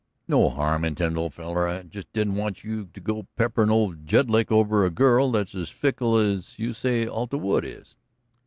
"No harm intended, old feller. I just didn't want you to go pepperin' old Jedlick over a girl that's as fickle as you say Alta Wood is."